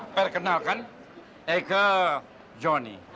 perkenalkan eike jonny